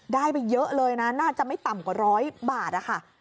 ได้ไปเยอะเลยนะน่าจะไม่ต่ำกว่าร้อยบาทนะคะ